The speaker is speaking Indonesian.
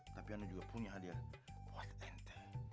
tapi ana juga punya hadiah buat ente